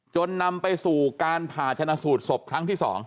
นำไปสู่การผ่าชนะสูตรศพครั้งที่๒